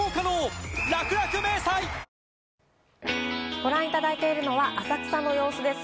ご覧いただいているのは浅草の様子です。